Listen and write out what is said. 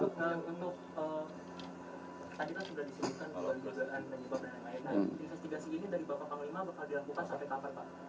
untuk tadi investigasi ini dari bapak panglima bakal dilakukan sampai kapan pak